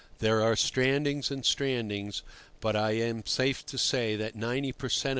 There are strandings and strandings, but I am safe to say that 90 per cent.